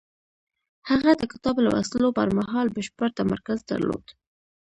هغه د کتاب لوستلو پر مهال بشپړ تمرکز درلود.